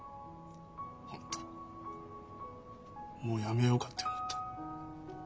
本当もうやめようかって思った。